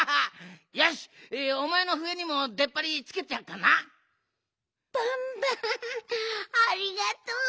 よしおまえのふえにもでっぱりつけてやっからな！バンバンありがとう。